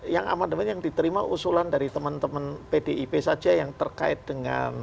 yang amandemen yang diterima usulan dari teman teman pdip saja yang terkait dengan